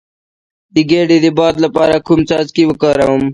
د ګیډې د باد لپاره کوم څاڅکي وکاروم؟